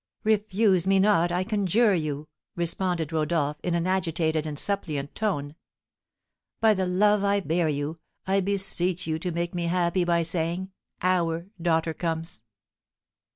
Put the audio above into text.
"Refuse me not, I conjure you!" responded Rodolph, in an agitated and suppliant tone. "By the love I bear you, I beseech you to make me happy by saying, 'Our daughter comes!'"